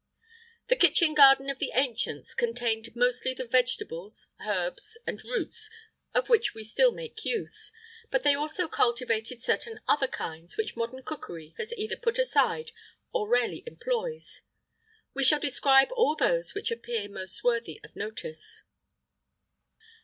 [IX 12] The kitchen garden of the ancients contained mostly the vegetables, herbs, and roots, of which we still make use; but they also cultivated certain other kinds, which modern cookery has either put aside or rarely employs. We shall describe all those which appear most worthy of notice.